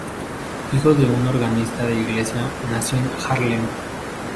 Hijo de un organista de iglesia, nació en Haarlem.